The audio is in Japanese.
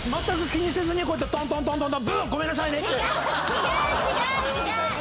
違う違う違う！